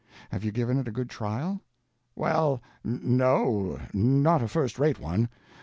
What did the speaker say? "Have you given it a good trial?" "Well, no, not a first rate one.